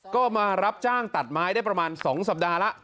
ก็มารับจ้างตัดไม้ได้ประมาณ๒สัปดาห์แล้ว